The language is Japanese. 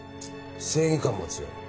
正義感も強い。